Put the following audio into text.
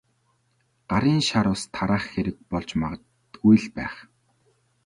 Гарын шар ус тараах хэрэг болж магадгүй л байх.